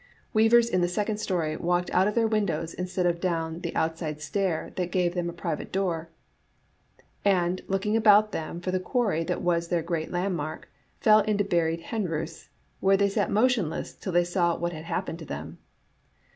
Weavers in the second story walked out of their windows instead of down the outside stair that gave them a pri vate door, and, looking about them for the quarry that was their great landmark, fell into buried hen roosts, where they sat motionless till they saw what had hap pened to them.